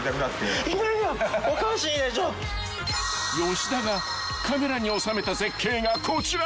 ［吉田がカメラに収めた絶景がこちら］